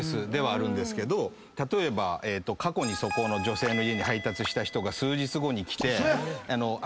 例えば過去にそこの女性の家に配達した人が数日後に来て。